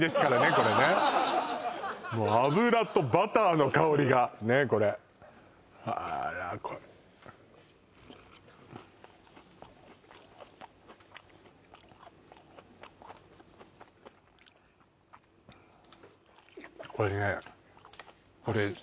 これねもう油とバターの香りがねっこれあらこれこれね